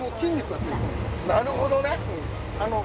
なるほどね！